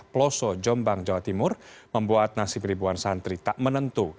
peloso jombang jawa timur membuat nasib ribuan santri tak menentu